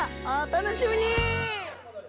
お楽しみに！